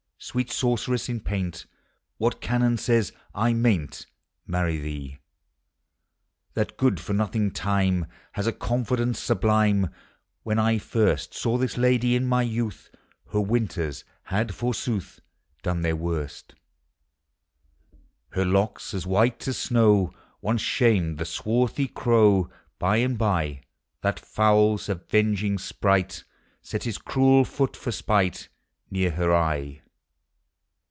Sweet sorceress in paint, What canon says 1 mayn't M any thee? That good for nothing Time Has a confidence sublime! When I first Saw this lady, in my youth. Her winters had, forsooth, Done their worst. 212 POEMS OF HOME Iler locks, as white as snow, Once shamed the swarthy crow : Bv and bv That fowl's avenging sprite Set his cruel foot for spite Near her eye.